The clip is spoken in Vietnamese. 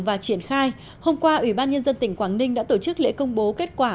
và triển khai hôm qua ủy ban nhân dân tỉnh quảng ninh đã tổ chức lễ công bố kết quả